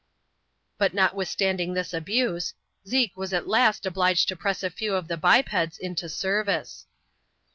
But notwithstanding this abuse, Zeke was at last obliged to press a few of the bipeds into service.